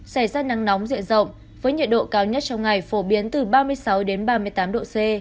xảy ra nắng nóng diện rộng với nhiệt độ cao nhất trong ngày phổ biến từ ba mươi sáu đến ba mươi tám độ c